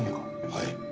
はい。